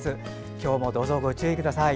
今日もどうぞご注意ください。